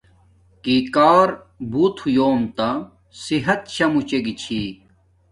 کی کار بوت ہویوم تا صحت شا موچے گی چھی